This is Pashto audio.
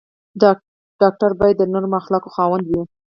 ډاکټر باید د نرمو اخلاقو خاوند وي.